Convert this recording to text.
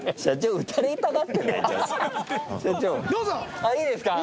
あっいいですか？